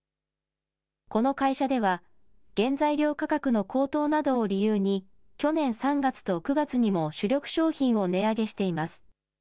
この会社では、原材料価格の高騰などを理由に、去年３月と９月にも主力商品を値上げしています。